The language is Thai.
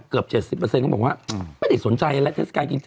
เกือบเจ็ดสิบเปอร์เซ็นต์เค้าบอกว่าไม่ได้สนใจแล้วเทศกาลกินเจต